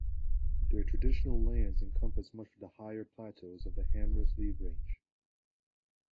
Their traditional lands encompass much of the higher plateaus of the Hamersley Range.